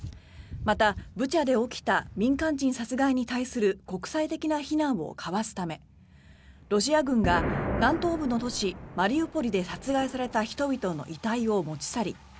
また、ブチャで起きた民間人殺害に対する国際的な非難をかわすためロシア軍が南東部の都市マリウポリで殺害された人々の遺体を持ち去り